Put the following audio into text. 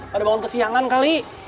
pada bangun kesiangan kali